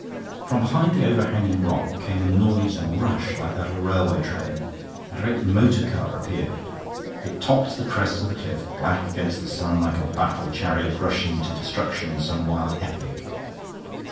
From behind the overhanging rock came a noise and rush like that of a railway train; and a great motor car appeared. It topped the crest of cliff, black against the sun, like a battle chariot rushing to destruction in some wild epic.